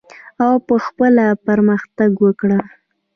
او په خپله پرمختګ وکړه.